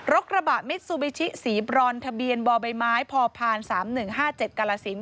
กระบะมิดซูบิชิสีบรอนทะเบียนบ่อใบไม้พพ๓๑๕๗กาลสิน